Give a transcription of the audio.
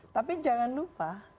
tapi jangan lupa